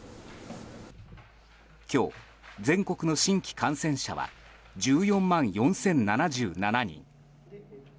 今日、全国の新規感染者は１４万４０７７人。